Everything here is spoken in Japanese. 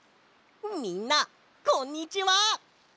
みんなこんにちは。